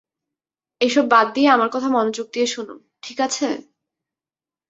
এসব বাদ দিয়ে আমার কথা মনোযোগ দিয়ে শোন, ঠিক আছে?